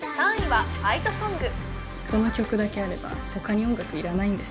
この曲だけあれば他に音楽いらないんです